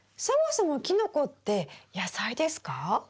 そもそもキノコって野菜ですか？